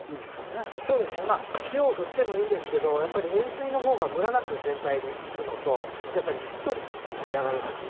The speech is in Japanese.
そうですねまあ塩をふってもいいんですけどやっぱり塩水の方がむらなく全体にいくのとあとやっぱりねしっとり仕上がるんですよ